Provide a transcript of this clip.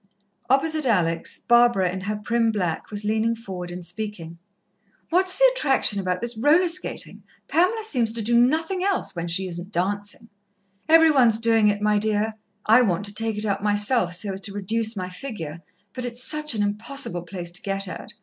Opposite Alex, Barbara, in her prim black, was leaning forward and speaking: "What's the attraction about this roller skating? Pamela seems to do nothing else, when she isn't dancing." "Every one's doing it, my dear. I want to take it up myself, so as to reduce my figure, but it's such an impossible place to get at.